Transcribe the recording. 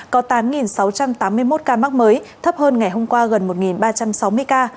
có tám sáu trăm tám mươi một ca mắc mới thấp hơn ngày hôm qua gần một ba trăm sáu mươi ca